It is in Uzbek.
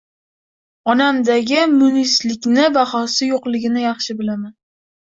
Onamdagi munislikning bahosi yo`qligini yaxshi bilaman